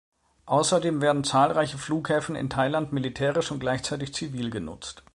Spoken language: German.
Außerdem werden zahlreiche Flughäfen in Thailand militärisch und gleichzeitig zivil genutzt.